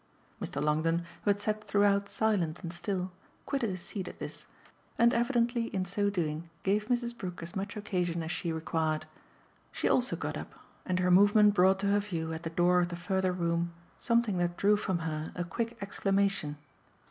Mr. Longdon, who had sat throughout silent and still, quitted his seat at this and evidently in so doing gave Mrs. Brook as much occasion as she required. She also got up and her movement brought to her view at the door of the further room something that drew from her a quick exclamation.